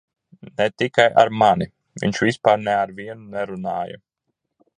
Ne tikai ar mani - viņš vispār ne ar vienu nerunāja.